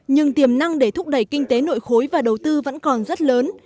nhưng tiềm năng để thúc đẩy kinh tế nội khối và đầu tư vẫn còn rất lớn